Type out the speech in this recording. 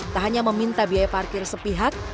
tak hanya meminta biaya parkir sepihak